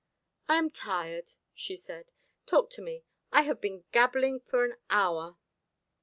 "I am tired," she said. "Talk to me. I have been gabbling for an hour."